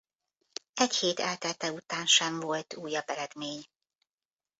Egy hét eltelte után sem volt újabb eredmény.